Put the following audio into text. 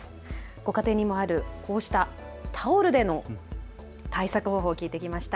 ご家庭にもあるこうしたタオルでの対策方法、聞いてきました。